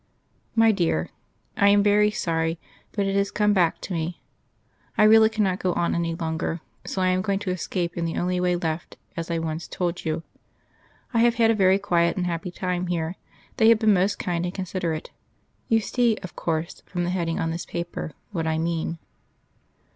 "MY DEAR: I am very sorry, but it has come back to me. I really cannot go on any longer, so I am going to escape in the only way left, as I once told you. I have had a very quiet and happy time here; they have been most kind and considerate. You see, of course, from the heading on this paper, what I mean....